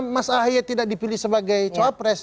mas ahie tidak dipilih sebagai cowok pres